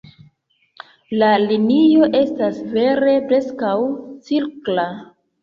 La linio estas vere preskaŭ cirkla.